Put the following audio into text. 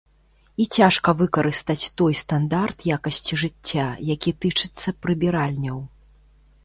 І цяжка выкарыстаць той стандарт якасці жыцця, які тычыцца прыбіральняў.